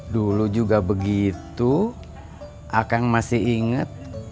dulu juga begitu akang masih inget